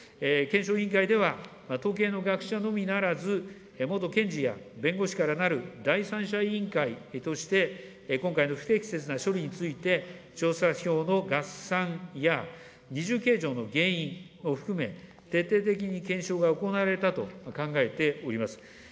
検証委員会では、統計の学者のみならず、元検事や弁護士からなる第三者委員会として、今回の不適切な処理について、調査表の合算や二重計上の原因を含め、徹底的に検証が行われたと考えております。